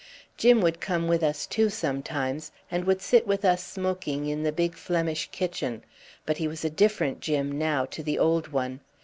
Jim would come with us too, sometimes, and would sit with us smoking in the big Flemish kitchen, but he was a different Jim now to the old one.